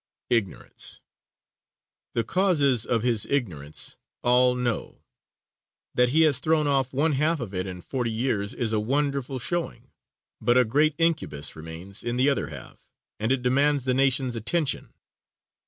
Ignorance. The causes of his ignorance all know. That he has thrown off one half of it in forty years is a wonderful showing; but a great incubus remains in the other half, and it demands the nation's attention.